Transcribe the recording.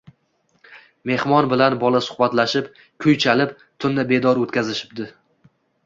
Mehmon bilan bola suhbatlashib, kuy chalib, tunni bedor o‘tkazishibdi